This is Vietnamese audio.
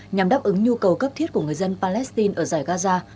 nhằm đáp ứng nhu cầu cấp thiết của người dân palestine ở giải gaza